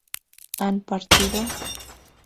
¿han partido?